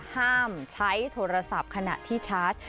ห้ามใช้โทรศัพท์ขณะที่ชาร์จ